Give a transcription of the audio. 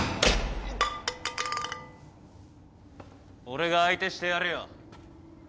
俺が相手してやるよ。